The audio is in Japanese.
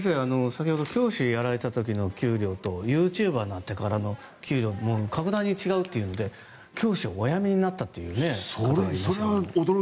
先ほど教師をやられていた時の給料とユーチューバーになってからの給料が格段に違うというので教師をお辞めになった方がいましたけど。